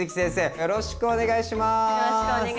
よろしくお願いします！